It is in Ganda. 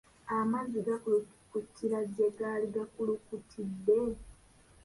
Amazzi gakulukutira gye gaali gakulukutidde.